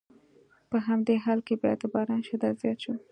په همدې حال کې بیا د باران شدت زیات شو.